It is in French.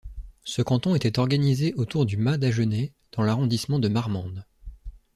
Ce canton était organisé autour du Mas-d'Agenais dans l'arrondissement de Marmande.